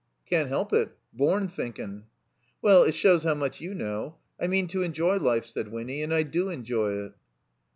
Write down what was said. ''Can't help it. Bom thinkin'." "Well — ^it shows how much you know. I mean to enjoy life," said Winny. "And I do enjoy it."